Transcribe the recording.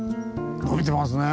伸びてますね！